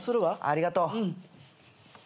ありがとう。